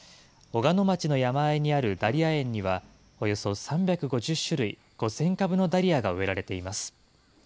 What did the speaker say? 小鹿野町の山あいにあるダリア園には、およそ３５０種類５０００株のダリアが植えられています。